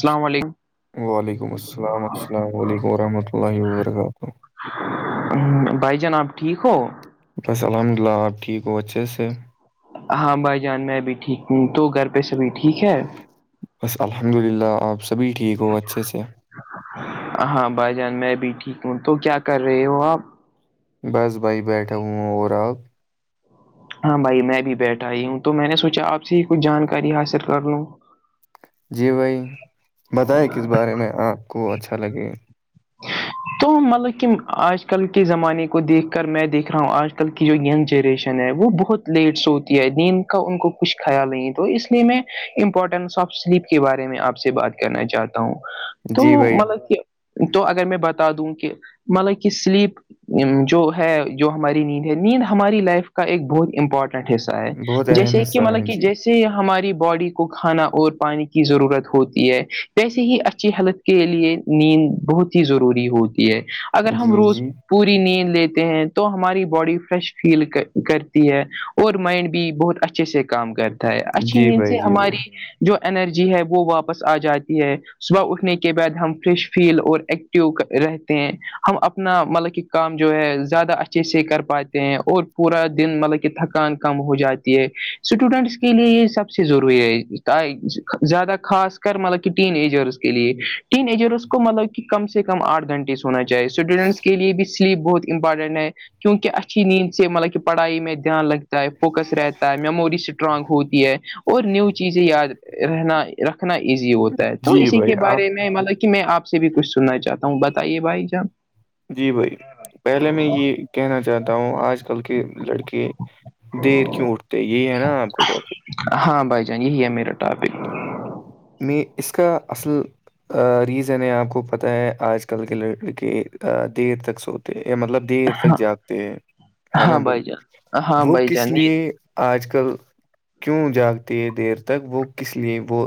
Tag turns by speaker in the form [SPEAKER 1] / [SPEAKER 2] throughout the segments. [SPEAKER 1] اللام علیکم
[SPEAKER 2] وعلیکم السلام السلام علیکم ورحمۃ اللہ وبرکاتہ
[SPEAKER 1] بھائی جانب ٹھیک ہو
[SPEAKER 2] بس الحمد للہ آپ کیٹھیک کو اچے سے
[SPEAKER 1] ہاں بھائی جان میں اب بھی ٹھیک ہوں تو گھر پیشب بھی ٹھیک ہے
[SPEAKER 2] بس الحمد للہ آپ سبھی ٹھیک ہو اچھے سے
[SPEAKER 1] ہاں بھائی جان میں بھی ٹھیک ہوں تو کیا کر رہے ہو آپ
[SPEAKER 2] بس بئی بیٹھ و وہوم اور آپ
[SPEAKER 1] ہاں بھائی میں بھی بیٹھا آئی ہوں تو میں نے سوچا آپ سے ہی کچھ جانکاری حاصل کر لوں
[SPEAKER 2] جی بھائی بتائیں کس بارے میں آپ کو اچھا لگے
[SPEAKER 1] ہاں تو مطلب کہ آج کل کے زمانے کو دیکھ کر میں دیکھ رہا ہوں آج کل کی جو ینگ جنریشن ہے وہ بہت لیٹس ہوتی ہے دین کا ان کو کچھ خیال نہیں تو اس لیے میں امپورٹینس آف سلیپ کے بارے میں آپ سے بات کرنا چاہتا ہوں تو
[SPEAKER 2] جی بھائی
[SPEAKER 1] مطلب کہ تو اگر میں بتا دوں کہ مطلب کہ سلیپ جو ہے جو ہماری نیند ہے نیند ہماری لائف کا ایک بہت امپورٹنٹ ٹھسا ہے
[SPEAKER 2] بہت اہم
[SPEAKER 1] جیسے کہ
[SPEAKER 2] حصہ ہے جی
[SPEAKER 1] ہماری باڈی کو کھانا اور پانی کی ضرورت ہوتی ہے جیسے ہی اچھی ہیلتھ کے لیے نیند بہت ہی ضروری ہوتی ہے اگر ہم
[SPEAKER 2] جی
[SPEAKER 1] روز
[SPEAKER 2] جی
[SPEAKER 1] پوری نیند لیتے ہیں تو ہماری باڈی فریش فیل کرتی ہے اور مائنڈ بھی بہت اچھے سے کام کرتا ہے اچھی
[SPEAKER 2] جی
[SPEAKER 1] نیند
[SPEAKER 2] بھائی
[SPEAKER 1] سے
[SPEAKER 2] جی
[SPEAKER 1] ہماری
[SPEAKER 2] بھائی
[SPEAKER 1] جو انرجی ہے وہ واپس آ جاتی ہے صبح اٹھنے کے بعد ہم فریش فیل اور ایکٹیو رہتے ہیں ہم اپنا مطلب کہ کام جو ہے زیادہ اچھے سے کر پاتے ہیں اور پورا دن مطلب کہ تھکان کم ہو جاتی ہے اسٹوڈنٹس کے لیے یہ سب سے ضروری ہے زیادہ خاص کر مطلب کہ ٹین ایجرس کے لیے ٹین ایجرس کو مطلب کہ کم سے کم آٹھ گنٹے سے ہونا چاہے اسٹوڈنٹس کے لے بھی سلیپ بہت ہی امپارٹنٹ ہے کیونکہ اچھی نیند سے مطلب کہ پڑھائی میں دھیان لگ فوکس رہتا ہے میموری اسٹرانگ ہوتی ہے اور نیو چیزیں یاد رہنا رکھنا ایزی ہوتا ہے تو
[SPEAKER 2] جی
[SPEAKER 1] اسی
[SPEAKER 2] بھائی
[SPEAKER 1] کے
[SPEAKER 2] آپ
[SPEAKER 1] بارے میں مطلب کہ میں آپ سے بھی کچھ سننا چاہتا ہوں بتائیے بھائی جان
[SPEAKER 2] جی بھائی پہلے میں یہ کہنا چاہتا ہوں آج کل کے لڑکے دیر کیوں اٹھتے یہ ہے نا آپ کے ٹاپک
[SPEAKER 1] ہاں بھائی جان یہی ہے میرا ٹاپک
[SPEAKER 2] میں اس کا اصل ریزن ہے آپ کو پتہ ہے آج کل کے لڑک کے دیر تک سو مطلب دیر تک
[SPEAKER 1] ہاں
[SPEAKER 2] جاتے ہیں ہے
[SPEAKER 1] ہاں
[SPEAKER 2] نا بھائی
[SPEAKER 1] جان ہاں
[SPEAKER 2] وہ
[SPEAKER 1] بھائی جان
[SPEAKER 2] کس لیے آج کل کیوں جاگتے ہے دیر تک وہ کس لیے وہ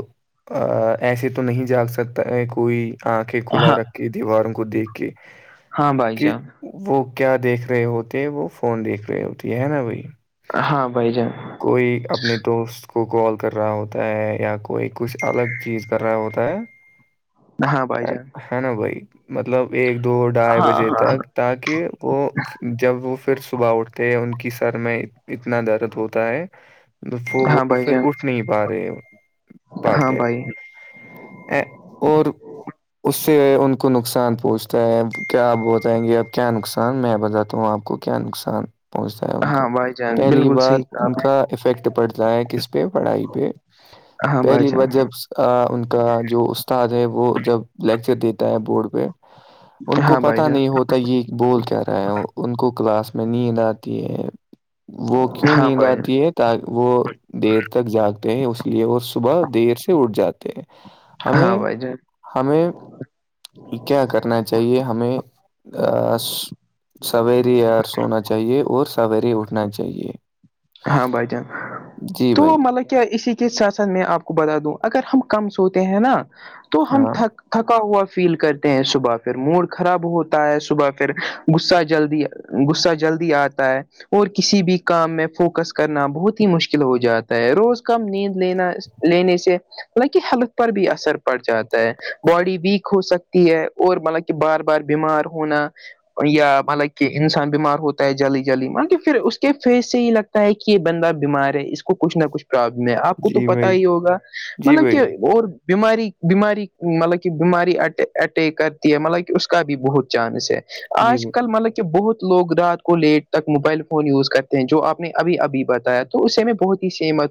[SPEAKER 2] ایسے تو نہیں جاگ سکتا ہے کوئی آنکھیں کھلا
[SPEAKER 1] ہاں
[SPEAKER 2] رکھ کہ دیواروں کو دیکھ کے
[SPEAKER 1] ہاں بھائی
[SPEAKER 2] کہ
[SPEAKER 1] جان
[SPEAKER 2] وہ کیا دیکھ رہے ہوتے وہ فون دیکھ رہے ہوتے ہے نا بھائی
[SPEAKER 1] ہاں بھائی جان
[SPEAKER 2] کوئی اپنے دوست کو کال کر رہا ہوتا ہے یا کوئی کچھ الگ چیز کر رہا ہوتا ہے
[SPEAKER 1] ہاں بھائی جان
[SPEAKER 2] ہے نا بھائی مطلب ایک دو ڈھائی
[SPEAKER 1] ہاں
[SPEAKER 2] بجے
[SPEAKER 1] ہاں
[SPEAKER 2] تک تاکہ وہ جب وہ پھر صبح اٹھتے ان کی سر میں اتنا درد ہوتا ہے وہ
[SPEAKER 1] ہاں
[SPEAKER 2] وہ
[SPEAKER 1] بھائی
[SPEAKER 2] پھر
[SPEAKER 1] جان
[SPEAKER 2] اٹھ نہیں پا رہے
[SPEAKER 1] ہاں بھائی
[SPEAKER 2] [inaudible] اور اس سے ان کو نقصان پہنچتا ہے کیا بتائیں گے اب کیا نقصان میں بتاتا ہوں آپ کو نقصان پہنچتا ہے ان کا
[SPEAKER 1] ہاں بھائی جان
[SPEAKER 2] پہلی
[SPEAKER 1] بالکل
[SPEAKER 2] بار
[SPEAKER 1] صحیح کہا
[SPEAKER 2] ان
[SPEAKER 1] آپ نے
[SPEAKER 2] کا افیکٹ پڑتا ہے کس پہ پڑھائی پہ
[SPEAKER 1] ہاں بھائی
[SPEAKER 2] پہلی
[SPEAKER 1] جان
[SPEAKER 2] بار جب ان کا جو استاد ہے وہ جب لیکچر دیتا ہے بورڈ پہ ان کو
[SPEAKER 1] ہاں بھائی
[SPEAKER 2] پتا
[SPEAKER 1] جان
[SPEAKER 2] نہیں ہوتا یہ بول کہ رہا ہے ان کو کلاس میں نیند آتی ہے وہ کیوں
[SPEAKER 1] ہاں
[SPEAKER 2] نیند
[SPEAKER 1] بھائی جان
[SPEAKER 2] آتی ہے وہ دیر تک جاگتے ہیں اس لیے وہ صبح دیر سے اٹھ جاتے ہیں
[SPEAKER 1] ہاں
[SPEAKER 2] ہمیں
[SPEAKER 1] بھائی جان
[SPEAKER 2] ہمیں کیا کرنا چاہیے ہمیں سوییر سونا چاہیے اور سوییرے اٹھنا چاہیے
[SPEAKER 1] ہاں بھائی جان
[SPEAKER 2] جی
[SPEAKER 1] تو
[SPEAKER 2] بھائی
[SPEAKER 1] مطلب کیا اسی ساسن میں آپ کو بتا دوں اگر ہم کم سوتے ہیں نا تو ہم
[SPEAKER 2] ہاں
[SPEAKER 1] تھک تھکا ہوا فیل کرتے ہیں صبح پھر موڈ خراب ہوتا ہے صبح پھر غصہ جلدی غصہ جلدی آتا ہے اور کسی بھی کام میں فوکس فکس کرنا بہت ہی مشکل ہو جاتا ہے روز کم نیند لینا لینے سے مطلب کہ ہیلتھ پر بھی اثر پڑ جاتا ہے باڈی ویک ہو سکتی ہے اور مطلب کہ بار بار بیمار ہونا یا مطلب کہ انسان بیمار ہوتا ہے جلدی جلدی مطب کہ پھر اس کے فیس سے ہی لگتا ہے کہ یہ بندہ بیمار ہے اس کو کچ نہ کچھ ابلم ہے آپ کو تو
[SPEAKER 2] جی
[SPEAKER 1] پتا
[SPEAKER 2] بھائی
[SPEAKER 1] ہی ہوگا
[SPEAKER 2] جی
[SPEAKER 1] مطلب کہ
[SPEAKER 2] بھائی
[SPEAKER 1] اور بیماری بیماری مطلب کہ بیماری اٹیک کرتی ہے مطلب کہ اس کا بھی بہت چانس ہے
[SPEAKER 2] جی
[SPEAKER 1] آج
[SPEAKER 2] بھائی
[SPEAKER 1] کل مطلب کہ بہت لوگ رات کو لیٹ تک موبائل فون یوز کرتے ہیں جو آپ نے ابھی ابھی بتایا تو اسے میں بہت ہی سحمت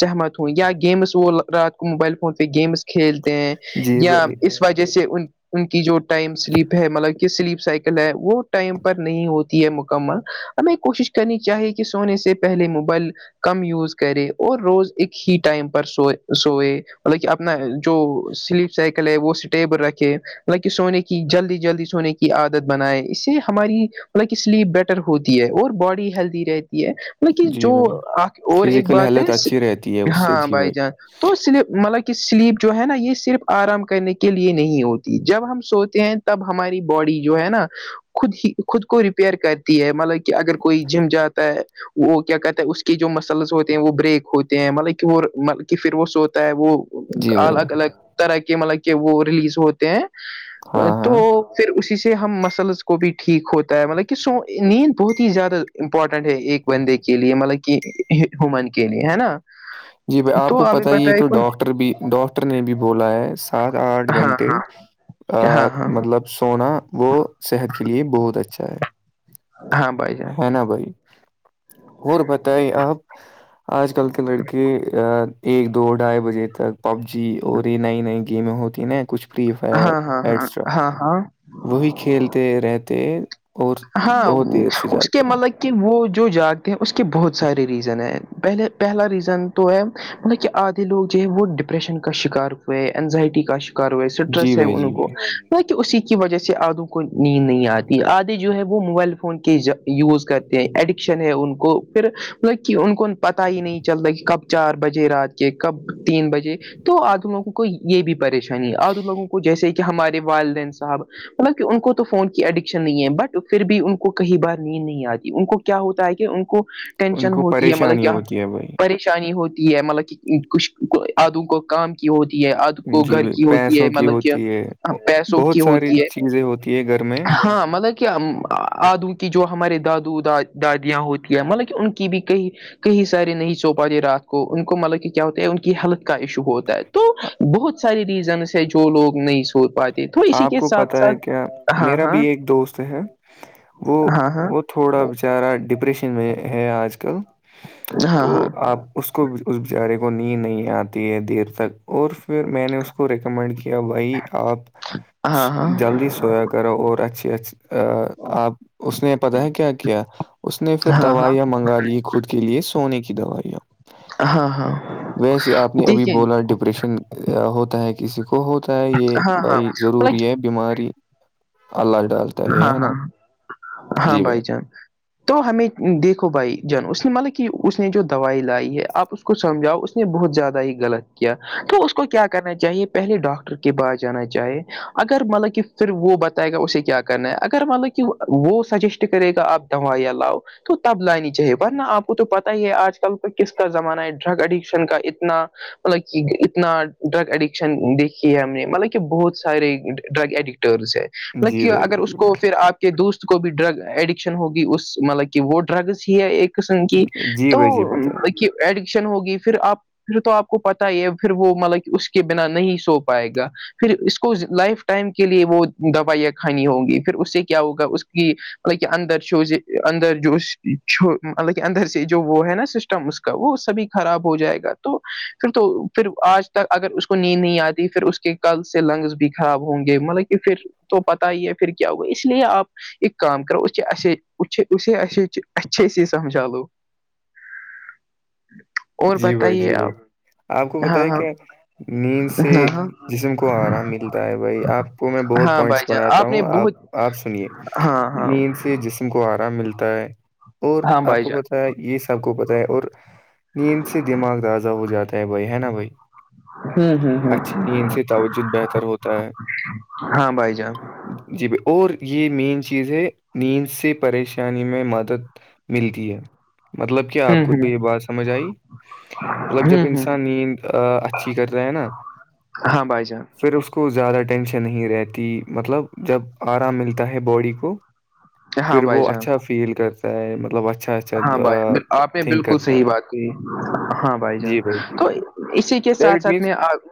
[SPEAKER 1] سہمت ہوں یا گیمس وہ رات کو موبائل فون پہ گیمس کھیلتے ہیں
[SPEAKER 2] جی
[SPEAKER 1] یا
[SPEAKER 2] بھائی
[SPEAKER 1] اس وجہ سے ان ان کی جو ٹائم سلیپ ہے مطلب سلیپ سائیکل ہے وہ ٹائم پر نہیں ہوتی ہے مکمل ہمیں کوشش کرنی چاہیے کہ سونے سے پہلے موبائل کم یوز کرے اور روز ایک ہی ٹائم پر سوئے سوئے مطلب کہ اپنا جو سلپ سائیکل ہے وہ سٹیبل رکھے لکہ سونے کی جلدی جلدی سونے کی عادت بنائے اس سے ہماری مطلب سلیپ بیٹر ہوتی ہے اور باڈی ہیلدی رہتی ہے لیکن
[SPEAKER 2] جی
[SPEAKER 1] جو
[SPEAKER 2] بھائی
[SPEAKER 1] آ اور ایک
[SPEAKER 2] فزیکل
[SPEAKER 1] بات ہے
[SPEAKER 2] ہیلتھ اچھی رہتی ہے اس سے
[SPEAKER 1] ہاں
[SPEAKER 2] جی
[SPEAKER 1] بھائی جان تو سلپ مطلب کہ سلپ جو ہے نا یہ صرف آرام کرنے کے لیے نہیں ہوتی جب ہم سوتے ہیں تب ہماری باڈی جو ہے نا خود ہی خود کو ریپیئر کرتی ہے مطلب کہ اگر کوئی جم جاتا ہے وہ کیا کہتا ہے اس کے جو مسلس ہوتے ہیں وہ بریک ہوتے ہیں مطلب کہ وہ کہ پھر وہ سوتا ہے وہ
[SPEAKER 2] جی بھائی
[SPEAKER 1] الگ الگ طرح کے مطلب کہ وہ ریلیز ہوتے ہیں
[SPEAKER 2] ہاں
[SPEAKER 1] تو
[SPEAKER 2] ہاں
[SPEAKER 1] پھر اسی سے ہم مسلس کو بھی ٹھیک ہوتا ہے مطلب کہ سو نیند بہت ہی زیادہ امپورٹنٹ ہے ایک بندے کے لیے مطلب کہ ہومن کے لیے ہے نا
[SPEAKER 2] جی بھائی آپ
[SPEAKER 1] تو
[SPEAKER 2] کو
[SPEAKER 1] ابھی
[SPEAKER 2] پت ہی
[SPEAKER 1] بتائے
[SPEAKER 2] تو
[SPEAKER 1] کوئی
[SPEAKER 2] ڈاکٹر بھی ڈاکٹر نے بھی بولا ہے سات آٹھ
[SPEAKER 1] ہاں
[SPEAKER 2] گنٹے
[SPEAKER 1] ہاں
[SPEAKER 2] آ
[SPEAKER 1] ہاں ہاں
[SPEAKER 2] مطلب سونا وہ صحت کے لیے بہت اچھا ہے
[SPEAKER 1] ہاں بھائی جان
[SPEAKER 2] ہنا بھائی اور بتائی آپ آج کل کے لڑکے ایک دو ڈھائی بجے تک پب جی اور یہ نئی نئی گیم ہوتی نا کچھ فری فائر
[SPEAKER 1] ہاں ہاں ہاں
[SPEAKER 2] اسٹرا
[SPEAKER 1] ہاں ہاں
[SPEAKER 2] وہی کھیلتے رہتے اور
[SPEAKER 1] ہاں
[SPEAKER 2] بہت دیر سے
[SPEAKER 1] اس کے
[SPEAKER 2] جاگتے
[SPEAKER 1] مطلب
[SPEAKER 2] ہیں
[SPEAKER 1] یکن وہ جو جاتے ہیں اس کے بہت سارے ریزن ہیں پہلے پہلا ریزن تو ہے مطلب کہ آدھے لوگ جو ہے وہ ڈپریشن کا شکار ہوئے ہے انینزائٹی کاار
[SPEAKER 2] جی
[SPEAKER 1] ٹرس ہے
[SPEAKER 2] بھائی
[SPEAKER 1] ان
[SPEAKER 2] جی
[SPEAKER 1] کو
[SPEAKER 2] بھائی
[SPEAKER 1] بہ اسی کی وجہ سے آدوں کو نیند نہیں آتی آد جو ہے وہ موبائل فون کے یوز کرتے ہیں ایڈکشن ہے ان کو پھر مطلب کہ ان کو پتا ہی نہیں چلتا کہ کب چار بجے رات کے کب تین بجے تو آد لوگوں کو یہ بھی پریشانی آد لوگوں کو جیسے کہ ہمارے والدین صاحب مطلب کہ ان کو تو فون کی ایڈکشن نہیں ہے بٹ تو پھر بھی ان کو کئی بار نیند نہیں آتی ان کو کیا ہوتا ہے کہ ان کو
[SPEAKER 2] ان
[SPEAKER 1] ٹینشن
[SPEAKER 2] کو
[SPEAKER 1] ہوتی ہے مطلب
[SPEAKER 2] پریشانی
[SPEAKER 1] کیا
[SPEAKER 2] ہوتی ہے
[SPEAKER 1] پر
[SPEAKER 2] بھائی
[SPEAKER 1] پریشانی ہوتی ہے مطلب کہ کچھ آدوں کو کام کی ہوتی ہے کو
[SPEAKER 2] جی
[SPEAKER 1] گھر
[SPEAKER 2] بھائی
[SPEAKER 1] کی ہوتی ہے
[SPEAKER 2] پیسوں کی
[SPEAKER 1] مطلب کہ
[SPEAKER 2] ہوتی ہے
[SPEAKER 1] پیسوں کی
[SPEAKER 2] بہت ساری
[SPEAKER 1] ہوتی ہے
[SPEAKER 2] چیزیں ہوتی ہے گھر میں
[SPEAKER 1] ہاں مطلب آدو کی جو ہمارے دادو دادیاں ہوتی ہیں مطلب کہ ان کی بھی کئی کہیں سارے نہیں سو پاتے رات کو ان کو مطلب کہ کیا ہوتا ہے ان کی ہیلتھ کا ایشو ہوتا ہے تو بہت ساراری ریزنس ہے جو لوگ نہیں سوچ پاتے تھے
[SPEAKER 2] ہاں آپ کو پتا ہے کیا میرا بھی
[SPEAKER 1] ہاں
[SPEAKER 2] ایک دوست ہے وہ
[SPEAKER 1] ہاں
[SPEAKER 2] وہ تھوڑا بچارا ڈپریشن میں ہے آج کل
[SPEAKER 1] ہاں ہاں
[SPEAKER 2] تو
[SPEAKER 1] ہاں
[SPEAKER 2] آپ اس کو اس بیچارے کو نیند نہیں آتی ہے دیر تک اور پھر میں نے اس کو ریکمنڈ کیا بھائی آپ
[SPEAKER 1] [unintelligible]
[SPEAKER 2] جلدی
[SPEAKER 1] ہاں
[SPEAKER 2] سویا کرو اور اچھی اچ ا آپ اس نے پتا ہے کیا کیا اس نے پھر
[SPEAKER 1] ہاں ہاں
[SPEAKER 2] دوائیاں منگا لی خود کے لیے سونے کی دوائیاں
[SPEAKER 1] ہاں ہاں
[SPEAKER 2] ویسے آپ نے ابھی
[SPEAKER 1] دیکھیے
[SPEAKER 2] بولا ڈپریشن ہوتا ہے کسی کو ہوتا ہے یہ
[SPEAKER 1] ہاں ہاں
[SPEAKER 2] بھائی ضروری
[SPEAKER 1] مطلب
[SPEAKER 2] ہے بیماری اللہ ڈالتے
[SPEAKER 1] ہاں ہاں ہاں بائی
[SPEAKER 2] بھائی
[SPEAKER 1] چانس تو ہمیں دیکھو بھائی جان اس نے مطلب کہ اس نے جو دوائی لائی ہے آپ کو سمجھاؤ اس نے بہت زیادہ ہی غط کیا تو اس کو کیا کرنا چاہیے پہلے ڈاکٹر باہ جانا چاہے اگر مطلب کہ پھر وہ بتائے گا اسے کیا کرنا ہے اگر مان لو کہ وہ سجیسٹ کرے گا آپ دوا یا لاؤ تو تب لانی چاہیے ورنہ آپ کو تو پتہ ہی ہے آج کل تو کس کا زمانہ ہے ڈرگ اڈکشن کا اتنا مطلب کہ اتنا ڈرگ اڈکشن دیکھی ہے ہم نے مطلب کہ بہت سارے ڈرگ اڈکٹرس ہے مطلب
[SPEAKER 2] جی
[SPEAKER 1] اگر
[SPEAKER 2] بھائی
[SPEAKER 1] اس کو پھر آپ کے دوست کو بھی ڈرگ ایڈکشن ہوگی اس مطلب کہ وہ ڈرگز ہی ہے ایک قسم کی
[SPEAKER 2] جی
[SPEAKER 1] تو
[SPEAKER 2] بھائی جی پتہ ہے
[SPEAKER 1] ایڈکشن ہوگی پھر آپ پھر تو آپ کو پتا ہی ہے پھر وہ مطلب کہ اس کے بنا نہیں سو پائے گا پھر اس کو لائف ٹائم کے لیے وہ دوائی یا کانی ہوں گی پھر اس سے کیا ہوگا اس کی مطلب کہ اندر چ اندر جو چ مطلب کہ اندر سے جو وہ ہے نا وہ سبھی خراب ہو جائے گا تو پھر تو پھر آج تک ا اس کو نین نہیں آتی پھر کہ کل سے لنگس بھی خراب ہوں گے مطلب کہ پھر تو پت ہی ہے پھر کیا ہوا اس لیے آپ ایک کام کرو اسے اے اسےے اچھے سے سمجھا لو اور
[SPEAKER 2] جی بھائی
[SPEAKER 1] بتائیے
[SPEAKER 2] جی بھائی
[SPEAKER 1] آپ
[SPEAKER 2] آپ کو
[SPEAKER 1] ہاں
[SPEAKER 2] بتیا
[SPEAKER 1] ہاں
[SPEAKER 2] کیا نیند سے
[SPEAKER 1] ہاں ہاں
[SPEAKER 2] جسم کو آرام ملتا ہے بھائی آپ میں بہت
[SPEAKER 1] ہاں
[SPEAKER 2] پوائنٹس
[SPEAKER 1] بھائی جان
[SPEAKER 2] بناتا
[SPEAKER 1] نے
[SPEAKER 2] ہوں آپ
[SPEAKER 1] بہت
[SPEAKER 2] آپ سنیے
[SPEAKER 1] ہاں ہاں
[SPEAKER 2] نیند سے جس ت کو آرام ملتا ہے اور
[SPEAKER 1] ہاں
[SPEAKER 2] آپ
[SPEAKER 1] بھائی
[SPEAKER 2] کو
[SPEAKER 1] جان
[SPEAKER 2] پتا ہے یہ سب کو پتا ہے اور نیند سے دماغ تازہ ہو جاتا ہے بھائی ہے نا بھائی
[SPEAKER 1] ہوں ہوں ہ
[SPEAKER 2] اچھی ند سے توجہ بہتر ہوتا ہے
[SPEAKER 1] ہاں بھائی جان
[SPEAKER 2] جی ب اور یہ مین چیز ہے نیند سے پریشانی میں مدد ملتی ہے مطلب کہ آپ
[SPEAKER 1] ہوں
[SPEAKER 2] کو
[SPEAKER 1] ہ
[SPEAKER 2] یہ بات سمجھ مطلب جب
[SPEAKER 1] ہوں ہ
[SPEAKER 2] انسان نیند اچھی کر رہا ہے نا
[SPEAKER 1] ہاں بھائی جان
[SPEAKER 2] پھر اس کو زیادہ ٹینشن نہیں رہتی مطلب جب آرام ملتا ہے باڈی کو
[SPEAKER 1] ہاں
[SPEAKER 2] پھر
[SPEAKER 1] بھائی
[SPEAKER 2] وہ
[SPEAKER 1] جان
[SPEAKER 2] اچھا فیل کرتا ہے مطلب اچھا اچھا
[SPEAKER 1] ہاں بھائی آپ نے
[SPEAKER 2] تھنک
[SPEAKER 1] بالکل
[SPEAKER 2] کرتا
[SPEAKER 1] صحیح
[SPEAKER 2] ہے
[SPEAKER 1] بات کی ہاں بھائی جان
[SPEAKER 2] جی جی
[SPEAKER 1] تو
[SPEAKER 2] بھائی
[SPEAKER 1] اسی کے ساتھ
[SPEAKER 2] دیٹ
[SPEAKER 1] ساتھ
[SPEAKER 2] مینس
[SPEAKER 1] میں آپ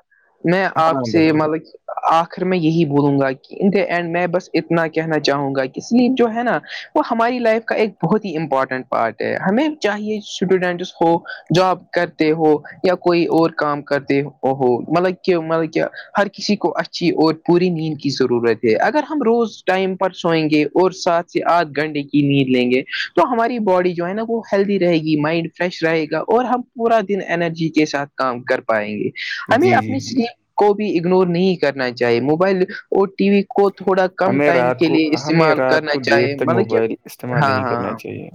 [SPEAKER 1] میں
[SPEAKER 2] ہاں
[SPEAKER 1] آپ سے
[SPEAKER 2] بتائیے بھائی
[SPEAKER 1] مطلب آخر میں یہی بولوں گا کہ ان دا اینڈ میں بس اتنا کہنا چاہوں گا کہ سلیپ جو ہے نا وہ ہماری لائف کا ایک بہت ہی امپارٹنٹ پارٹ ہے ہمیں چاہیے اسٹوڈنٹس ہو جاب کرتے ہو یا کوئی اور کام کرتے وہ مطلب کہ مطلب کہ ہر کسی کو اچھی اور پوری نیند کی ضرورت ہے اگر ہم روز ٹائم پر سوئیں گے اور ساتھ سے آدھ گھنٹے کی نیند لیں گے تو ہمارے باڈی جو ہے نا وہ ہیلدی رہے گی مائنڈ فریش رہے گا اور ہم پورا دن اینرجی کے ساتھ کام کر پائیں گے ہمیں
[SPEAKER 2] جی جی
[SPEAKER 1] اپنی
[SPEAKER 2] جی
[SPEAKER 1] سف کو بھی اگنور نہیں کرنا چاہیے موبائل اور ٹی وی کو تھوڑا کم
[SPEAKER 2] ہمیں
[SPEAKER 1] ٹائم
[SPEAKER 2] رات
[SPEAKER 1] کے
[SPEAKER 2] کو
[SPEAKER 1] لیے
[SPEAKER 2] ہمیں
[SPEAKER 1] استعمال
[SPEAKER 2] رات
[SPEAKER 1] کرنا
[SPEAKER 2] کو دیر
[SPEAKER 1] چاہیے
[SPEAKER 2] تک
[SPEAKER 1] مطلب کہ
[SPEAKER 2] موبائل استعمال
[SPEAKER 1] ہاں
[SPEAKER 2] نہیں
[SPEAKER 1] ہاں
[SPEAKER 2] کرنا
[SPEAKER 1] ہاں
[SPEAKER 2] چاہیے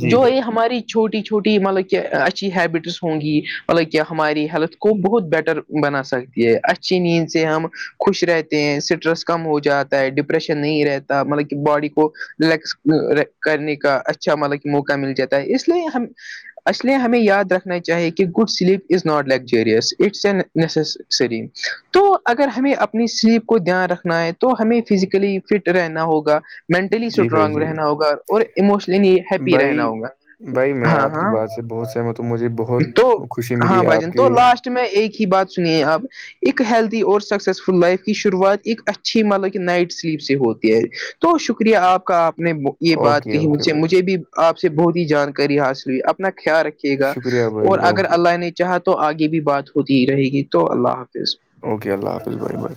[SPEAKER 2] جی
[SPEAKER 1] جو
[SPEAKER 2] بھائی
[SPEAKER 1] یہ ہماری چھوٹی چھوٹی مطلب کہ اچھی ہیبٹس ہوں گی مطلب کہ ہماری ہیلتھ کو بہت بیٹر بنا سکتی ہے اچھی نیند سے ہم خوش رہتے ہیں اسٹریس کم ہو جاتا ہے ڈپریشن نہیں رہتا مطلب کہ باڈی کو ریکس کرنے کاچ اچھا مطلب کہ موقع مل جاتا ہے اس لیے ہم اسلے ہمیں یاد رکھنا چاہیے کہ good sleep is not luxurious it's a necessary تو اگر ہمیں اپنی سلیپ کو دھیان رکھنا ہے تو ہمیں فزیکلی فٹ رہنا ہوگا مینٹلی
[SPEAKER 2] جی بھائی
[SPEAKER 1] اسٹرانگ
[SPEAKER 2] جی بھائی
[SPEAKER 1] رہنا ہوگا اور اموشنلی ہیپی رہنا
[SPEAKER 2] بھائی
[SPEAKER 1] ہوگا
[SPEAKER 2] بھائی میں
[SPEAKER 1] ہاں
[SPEAKER 2] آپ کی
[SPEAKER 1] ہاں
[SPEAKER 2] بات سے بہت سہمت ہوں مجھے بہت
[SPEAKER 1] تو
[SPEAKER 2] خوشی
[SPEAKER 1] ہاں
[SPEAKER 2] ملی آپ
[SPEAKER 1] بھجن تو
[SPEAKER 2] کے
[SPEAKER 1] لاسٹ میں ایک ہی بات سنیے آپ ایک ہیلدی اور سکسیسفل لائف کی شروعات ایک اچھی مطلب کہ نائٹ سلیپ سے ہوتی ہے تو شکریہ آپ کا آپ نے یہ بات
[SPEAKER 2] اوکے
[SPEAKER 1] کہی
[SPEAKER 2] اوکے
[SPEAKER 1] سے
[SPEAKER 2] بھائی
[SPEAKER 1] مجھے بھی آپ سے بہت ہی جانکاری حاصل ہوئی اپنا خیال رکھیے گا
[SPEAKER 2] شکریہ
[SPEAKER 1] اور
[SPEAKER 2] بھائی
[SPEAKER 1] اگر
[SPEAKER 2] اوکے
[SPEAKER 1] اللہ نے چاہاں تو آگے بھی بات ہوتی ہی رہے گی تو اللہ حافظ
[SPEAKER 2] اوکے اللہ حافظ بائے بھائی